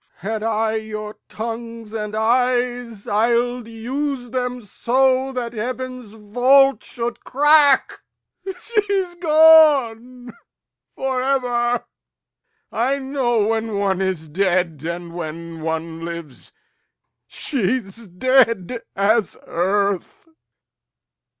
Had I your tongues and eyes, I'ld use them so That heaven's vault should crack. She's gone for ever! I know when one is dead, and when one lives. She's dead as earth.